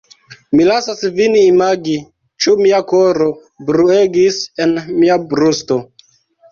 Mi lasas vin imagi, ĉu mia koro bruegis en mia brusto.